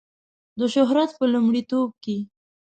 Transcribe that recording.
د شهرت په لیونتوب کې